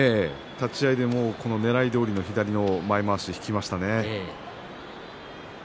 立ち合いでねらいどおりの左の前まわしを引きましたね。